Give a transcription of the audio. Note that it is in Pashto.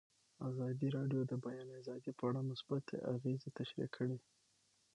ازادي راډیو د د بیان آزادي په اړه مثبت اغېزې تشریح کړي.